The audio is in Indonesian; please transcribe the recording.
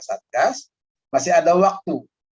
satgas masih ada waktu